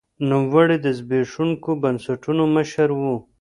نوموړي د زبېښونکو بنسټونو مشر و.